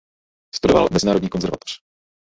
Studoval mezinárodní konzervatoř.